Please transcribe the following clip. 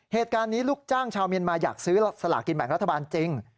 เหตุการณ์นี้ลูกจ้างชาวเมียนมาอยากซื้อสลากินแบ่งรัฐบาลจริง